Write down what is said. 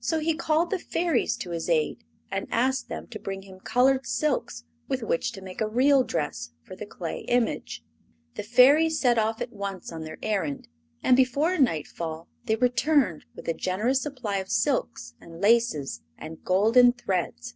So he called the Fairies to his aid, and asked them to bring him colored silks with which to make a real dress for the clay image. The Fairies set off at once on their errand, and before nightfall they returned with a generous supply of silks and laces and golden threads.